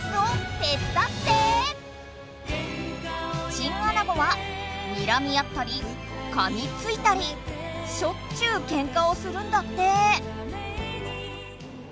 チンアナゴはにらみ合ったりかみついたりしょっちゅうケンカをするんだって。